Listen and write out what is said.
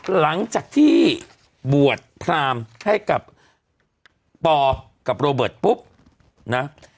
หลังจากที่บวชพรามให้กับปอกับโรเบิร์ตปุ๊บนะ